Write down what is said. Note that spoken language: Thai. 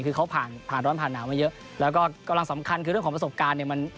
คือเขาผ่านผ่านร้อนผ่านหนาวมาเยอะแล้วก็กำลังสำคัญคือเรื่องของประสบการณ์เนี่ยมัน